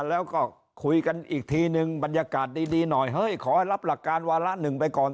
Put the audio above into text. แล้วก็คุยกันอีกทีนึงบรรยากาศดีหน่อยเฮ้ยขอให้รับหลักการวาระหนึ่งไปก่อน